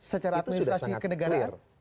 secara administrasi kenegaraan